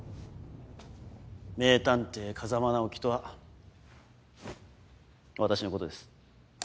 名探偵風真尚希とは私のことです。